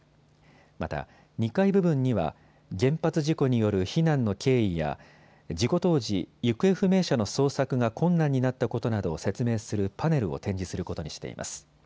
また２階部分には原発事故による避難の経緯や事故当時、行方不明者の捜索が困難になったことなどを説明するパネルを展示することにしています。